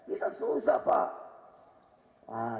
itu susah pak